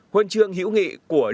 huân chương hữu nghị của lê